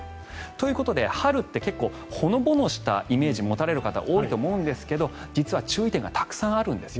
ということで、春って結構ほのぼのしたイメージを持たれる方多いと思うんですけど、実は注意点がたくさんあるんです。